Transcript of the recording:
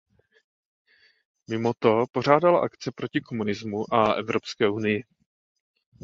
Mimoto pořádala akce proti komunismu a Evropské unii.